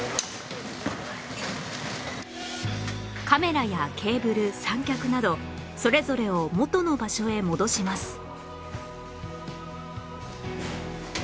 カメラやケーブル三脚などそれぞれを元の場所へ戻します